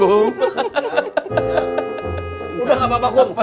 udah nggak apa apa kom